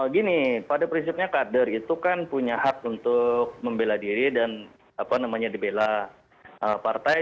gini pada prinsipnya kader itu kan punya hak untuk membela diri dan dibela partai